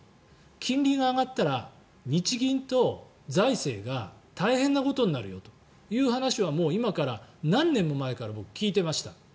金利が上がったら日銀と財政が大変なことになるよという話はもう今から何年も前から僕、聞いてました。